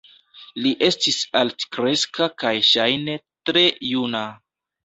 Li estis altkreska kaj ŝajne tre juna.